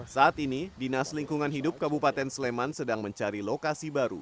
saat ini dinas lingkungan hidup kabupaten sleman sedang mencari lokasi baru